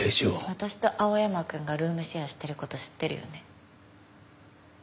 私と青山くんがルームシェアしてる事知ってるよね？